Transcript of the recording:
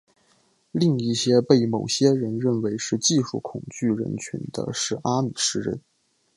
另一个被某些人认为是技术恐惧人群的是阿米什人。